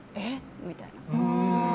みたいな。